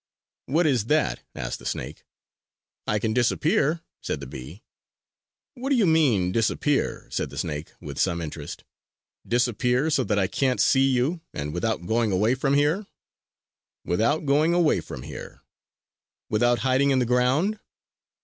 "What is that?" asked the snake. "I can disappear!" said the bee. "What do you mean, disappear?" said the snake, with some interest. "Disappear so that I can't see you and without going away from here?" "Without going away from here!" "Without hiding in the ground?"